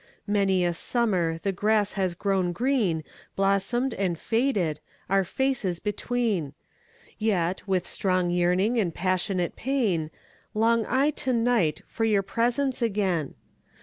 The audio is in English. Many a summer the grass has grown green, Blossomed and faded, our faces between:Yet, with strong yearning and passionate pain, Long I to night for your presence again.